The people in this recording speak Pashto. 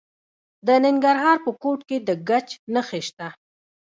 د ننګرهار په کوټ کې د ګچ نښې شته.